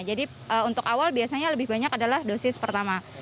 jadi untuk awal biasanya lebih banyak adalah dosis pertama